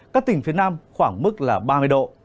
các tỉnh phía nam khoảng mức là ba mươi độ